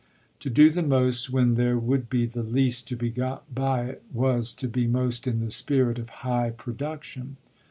To do the most when there would be the least to be got by it was to be most in the spirit of high production.